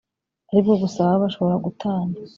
ari bwo gusa baba bashobora gutana